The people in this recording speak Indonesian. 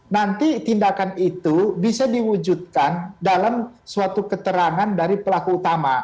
nanti tindakan itu bisa diwujudkan dalam suatu keterangan dari pelaku utama